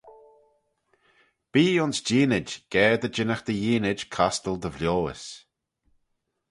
Bee ayns jeeanid ga dy jinnagh dty yeeanid costal dy vioys.